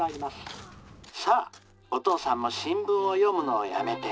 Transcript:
・「さあお父さんも新聞を読むのをやめて」。